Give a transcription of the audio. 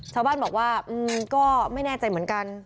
ชาวบ้านบอกว่าก็ไม่แน่ใจเหมือนกัน